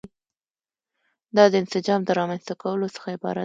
دا د انسجام د رامنځته کولو څخه عبارت دي.